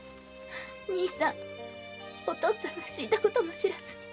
兄さんはおとっつぁんが死んだことも知らずに。